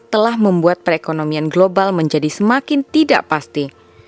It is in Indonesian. telah membuat perekonomian global menjadi semakin tidak pasti